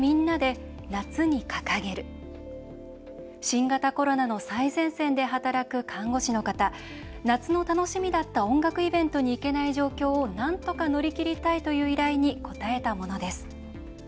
新型コロナの最前線で働く看護師の方、夏の楽しみだった音楽イベントに行けない状況をなんとか乗り切りたいという依頼に応えたものです。